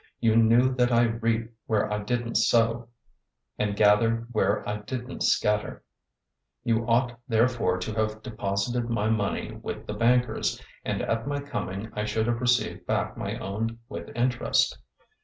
You knew that I reap where I didn't sow, and gather where I didn't scatter. 025:027 You ought therefore to have deposited my money with the bankers, and at my coming I should have received back my own with interest.